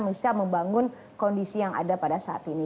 bisa membangun kondisi yang ada pada saat ini